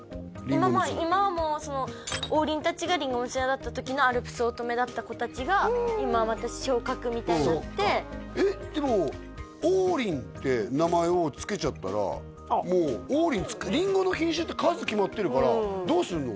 今も今はもう王林達がりんご娘だった時のアルプスおとめだった子達が今また昇格みたいになってえっでも王林って名前を付けちゃったらもう王林りんごの品種って数決まってるからどうするの？